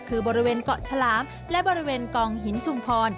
คือบริเวณเกาะฉลามและบริเวณกองหินชุมพร